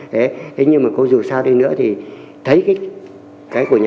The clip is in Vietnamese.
thế nhưng mà có dù sao đi nữa thì thấy cái của nhà